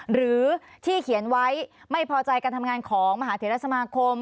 หรือที่เขียนไว้ไม่พอใจการทำงานของมหาเทรสมาคม